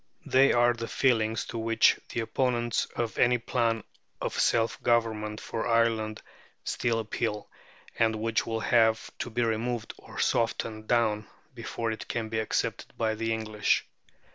They are the feelings to which the opponents of any plan of self government for Ireland still appeal, and which will have to be removed or softened down before it can be accepted by the English.